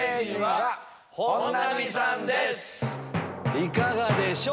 いかがでしょう？